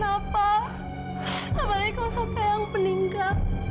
apalagi kau suka eyang meninggal